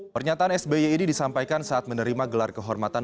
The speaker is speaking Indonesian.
pernyataan sby ini disampaikan saat menerima gelar kehormatan